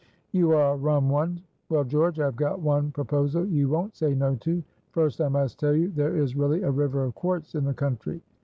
"You are a rum one. Well, George, I have got one proposal you won't say no to. First, I must tell you there is really a river of quartz in the country."